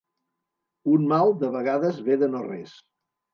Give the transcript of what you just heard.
Un mal de vegades ve de no res.